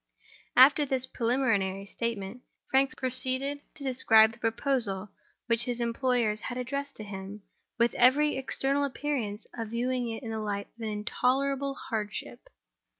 After this preliminary statement, Frank proceeded to describe the proposal which his employers had addressed to him, with every external appearance of viewing it in the light of an intolerable hardship.